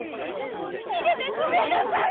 逃げてごめんなさい！